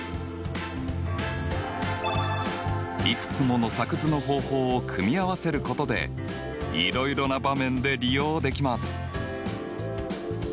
いくつもの作図の方法を組み合わせることでいろいろな場面で利用できます。